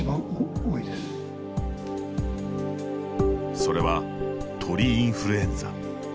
それは鳥インフルエンザ。